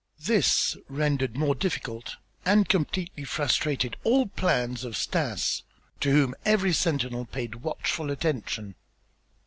This rendered more difficult and completely frustrated all plans of Stas to whom every sentinel paid watchful attention.